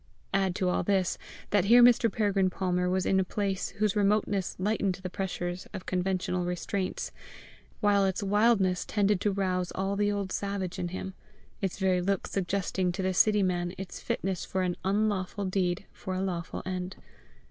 Add to all this, that here Mr. Peregrine Palmer was in a place whose remoteness lightened the pressure of conventional restraints, while its wildness tended to rouse all the old savage in him its very look suggesting to the city man its fitness for an unlawful deed for a lawful end.